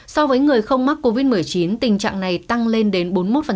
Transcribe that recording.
so với người không mắc covid một mươi chín tình trạng này tăng lên đến bốn mươi một